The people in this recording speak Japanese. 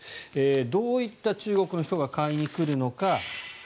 どういった中国の人が買いに来るのか。